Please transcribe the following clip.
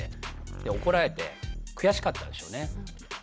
で怒られて悔しかったんでしょうね。